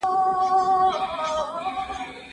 پوهه د ټولنې د پرمختګ لامل ده.